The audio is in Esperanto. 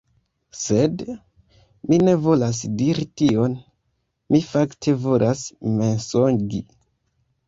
Sed... mi ne volas diri tion. Mi fakte volas mensogi.